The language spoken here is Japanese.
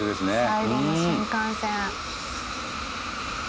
最後の新幹線。